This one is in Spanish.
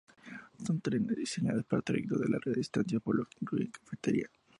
Son trenes diseñados para trayectos de larga distancia, por lo que incluyen cafetería.